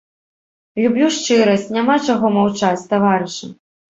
Люблю шчырасць, няма чаго маўчаць, таварышы!